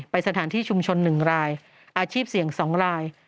สถานที่ชุมชน๑รายอาชีพเสี่ยง๒ราย